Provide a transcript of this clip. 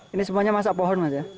ini semuanya masak pohon mas ya